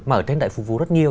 mà ở trên đấy phục vụ rất nhiều